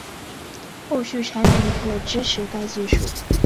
后续产品也支持该技术